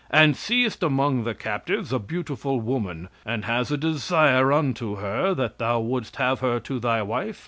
"And seest among the captives a beautiful woman, and has a desire unto her, that thou wouldst have her to thy wife.